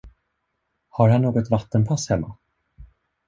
Har han något vattenpass hemma?